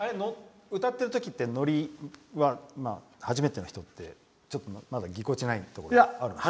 歌ってるときってノリは初めての人ってぎこちないところあるんですか？